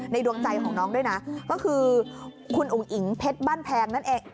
ดวงใจของน้องด้วยนะก็คือคุณอุ๋งอิ๋งเพชรบ้านแพงนั่นเอง